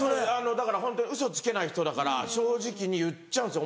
だからホントにウソつけない人だから正直に言っちゃうんですよ